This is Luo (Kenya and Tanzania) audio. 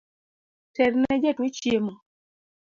Terne jatuo chiemo